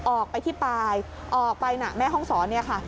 ออกไปที่ปลายออกไปนะแม่ห้องศรเนี่ยค่ะ